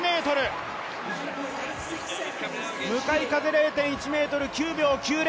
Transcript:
向かい風０．１ｍ、９秒９０。